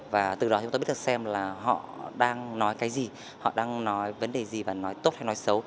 và từ đó chúng tôi biết được xem là họ đang nói cái gì họ đang nói vấn đề gì và nói tốt hay nói xấu